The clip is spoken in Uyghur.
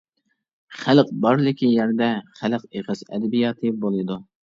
خەلق بارلىكى يەردە خەلق ئېغىز ئەدەبىياتى بولىدۇ.